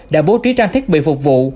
đã bố trí trang thiết bị phục vụ